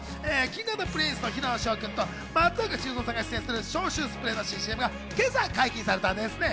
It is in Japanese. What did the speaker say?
昨日、Ｋｉｎｇ＆Ｐｒｉｎｃｅの平野紫耀君と松岡修造さんが出演する消臭スプレーの新ＣＭが今朝解禁されたんです。